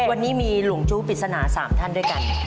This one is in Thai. วันนี้มีหลงจู้ปริศนา๓ท่านด้วยกัน